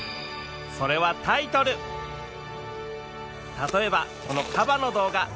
例えばこのカバの動画